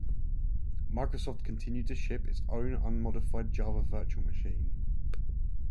Microsoft continued to ship its own unmodified Java virtual machine.